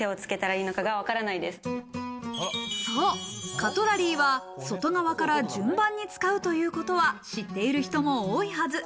カトラリーは外側から順番に使うということは知っている人も多いはず。